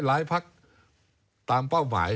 หลายพักตามเป้าหมาย